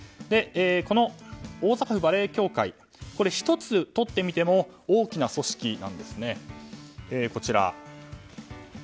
この大阪府バレーボール協会を１つとってみても大きな組織なんです。